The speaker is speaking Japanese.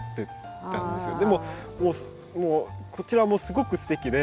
でもこちらもすごくすてきで